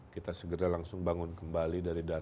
kita segera langsung bangun kembali dari